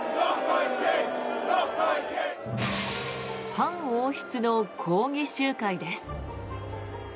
反王室の抗議集会です。